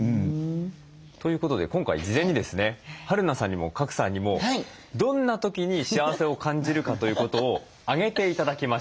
ということで今回事前にですねはるなさんにも賀来さんにもどんな時に幸せを感じるかということを挙げて頂きました。